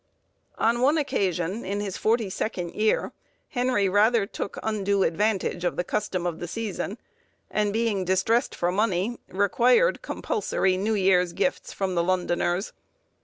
On one occasion, in his forty second year, Henry rather took undue advantage of the custom of the season, and being distressed for money, required compulsory New Year's Gifts from the Londoners.